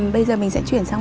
bây giờ mình sẽ chuyển sang